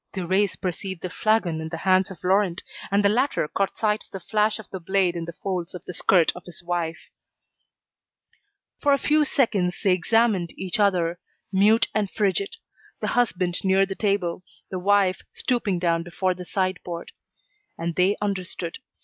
Thérèse perceived the flagon in the hands of Laurent, and the latter caught sight of the flash of the blade in the folds of the skirt of his wife. For a few seconds they examined each other, mute and frigid, the husband near the table, the wife stooping down before the sideboard. And they understood.